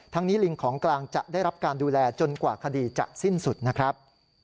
นี้ลิงของกลางจะได้รับการดูแลจนกว่าคดีจะสิ้นสุดนะครับ